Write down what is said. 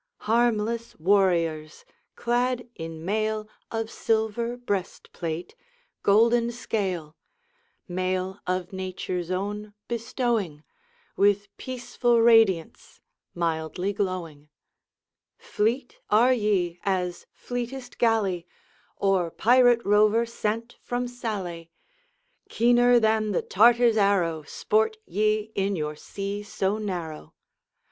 Harmless warriors, clad in mail Of silver breastplate, golden scale; Mail of Nature's own bestowing, With peaceful radiance, mildly glowing Fleet are ye as fleetest galley Or pirate rover sent from Sallee; Keener than the Tartar's arrow, Sport ye in your sea so narrow.